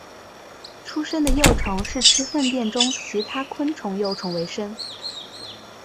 出生的幼虫是吃粪便中其他昆虫幼虫为生。